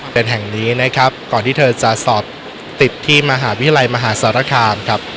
เป็นแห่งนี้นะครับก่อนที่เธอจะสอบติดที่มหาวิทยาลัยมหาสารคามครับ